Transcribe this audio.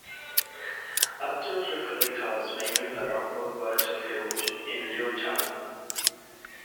Up to three characters may move around the battlefield in real time.